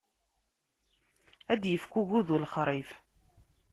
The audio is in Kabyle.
Ad d-ifk ugudu lexṛif.